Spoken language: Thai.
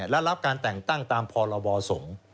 และรับการแต่งตั้งตามพรบสงฆ์